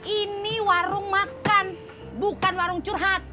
ini warung makan bukan warung curhat